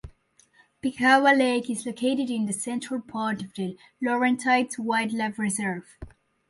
Pikauba Lake is located in the central part of the Laurentides Wildlife Reserve.